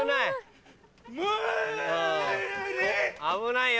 危ないよ。